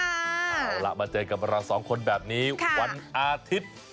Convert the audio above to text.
เอาล่ะมาเจอกับเราสองคนแบบนี้วันอาทิตย์